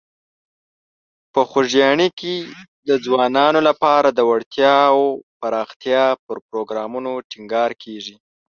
په خوږیاڼي کې د ځوانانو لپاره د وړتیاوو پراختیا پر پروګرامونو ټینګار کیږي.